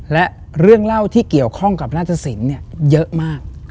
และเรื่องเล่าที่เกี่ยวข้องกับนาฏศิลป์เนี่ยเยอะมาก